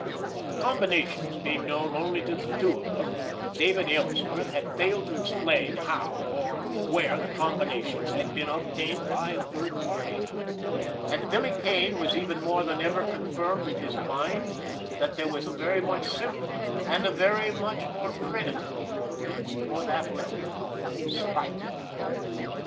The combinations being known only to the two of them, David Ellsworth had failed to explain how, or where the combinations had been obtained by a third party; and Billy Kane was even more than ever confirmed in his mind that there was a very much simpler, and a very much more creditable motive for that letter—spite.